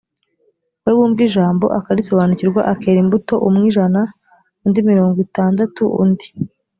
we wumva ijambo akarisobanukirwa akera imbuto umwe ijana undi mirongo itandatu undi